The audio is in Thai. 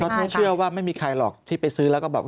ฉันเชื่อว่าไม่มีใครหรอกที่ไปซื้อแล้วก็แบบ